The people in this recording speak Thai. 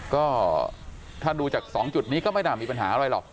ก็ถ้าดูจาก๒จุดนี้ก็ไม่น่ามีปัญหาอะไรหรอก